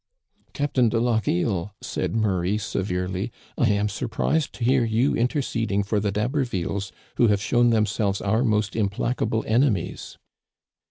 "' Captain de Lochiel,* said Murray severely, * I am surprised to hear you interceding for the D'Habervilles, who have shown themselves our most implacable ene mies.'